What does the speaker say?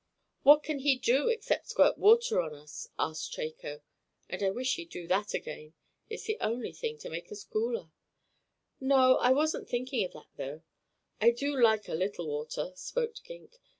"What can he do, except squirt water on us?" asked Chako. "And I wish he'd do that again. It's the only thing to make us cooler." "No, I wasn't thinking of that, though I do like a little water," spoke Gink.